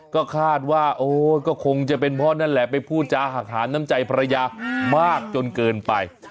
ก็คาดว่าโอ้ก็คงจะเป็นเพราะนั่นแหละไปพูดจาหักหามน้ำใจภรรยามากจนเกินไป